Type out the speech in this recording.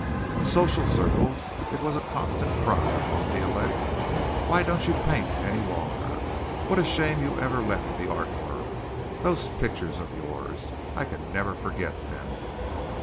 In social circles it was a constant cry among the elect, "Why don't you paint any longer?" "What a shame you ever left the art world!" "Those pictures of yours, I can never forget them."